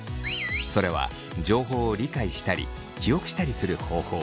それは情報を理解したり記憶したりする方法